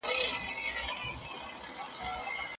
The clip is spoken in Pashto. د ميرويس خان نيکه پوځي قوماندانان څنګه ټاکل کيدل؟